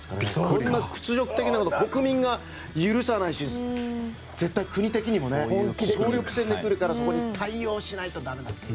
こんな屈辱的なこと国民が許さないし国的にも総力戦で来るので対応しないと。